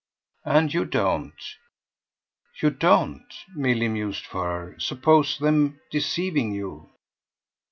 "And you don't. You don't," Milly mused for her, "suppose them deceiving you."